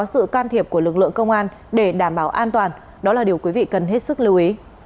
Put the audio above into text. có sự can thiệp của lực lượng công an để đảm bảo an toàn đó là điều quý vị cần hết sức lưu ý